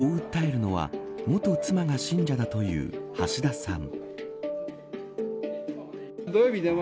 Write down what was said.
こう訴えるのは元妻が信者だという橋田さん。